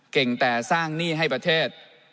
เก่งแต่สร้างหนี้ให้ประเทศ